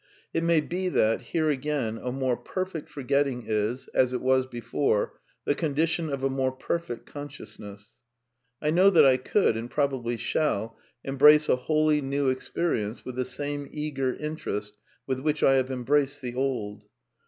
It may be that, here again, a more perfect forgetting is, as it was before, the condition of a more perfect consciousness. I know that I could, and probably shall, embrace a wholly new experience with the same eager interest with which I have embraced the old.